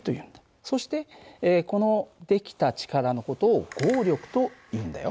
そしてこの出来た力の事を合力というんだよ。